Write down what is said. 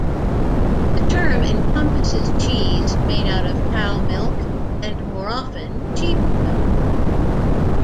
The term encompasses cheese made out of cow milk and more often, sheep milk.